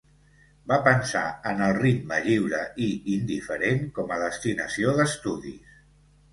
Va pensar en el ritme lliure i indiferent com a destinació d'estudis.